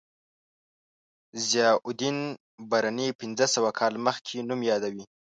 ضیاءالدین برني پنځه سوه کاله مخکې نوم یادوي.